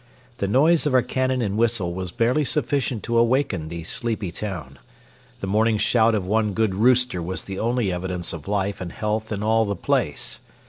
The noise of our cannon and whistle was barely sufficient to awaken the sleepy town. The morning shout of one good rooster was the only evidence of life and health in all the place.